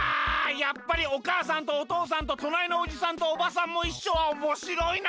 やっぱり「おかあさんとおとうさんととなりのおじさんとおばさんもいっしょ」はおもしろいな！